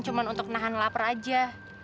cuma untuk nahan lapar aja